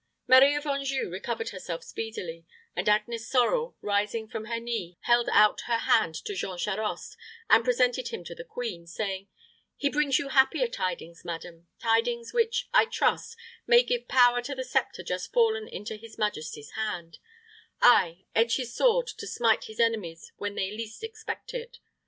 Marie of Anjou recovered herself speedily, and Agnes Sorel, rising from her knee, held out her hand to Jean Charost, and presented him to the queen, saying, "He brings you happier tidings, madam tidings which, I trust, may give power to the sceptre just fallen into his majesty's hand; ay, and edge his sword to smite his enemies when they least expect it.